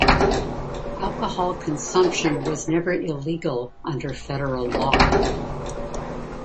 Alcohol consumption was never illegal under federal law.